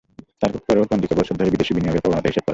তার পরও পঞ্জিকা বছর ধরে বিদেশি বিনিয়োগের প্রবণতা হিসাব করা যায়।